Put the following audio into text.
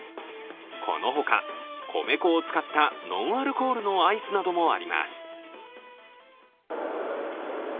このほか米粉を使ったノンアルコールのアイスなどもあります。